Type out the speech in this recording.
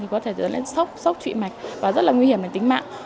có thể dẫn đến sốc trụy mạch và rất nguy hiểm đến tính mạng